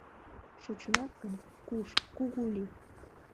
— Шочынат гын, куш, кугу лий!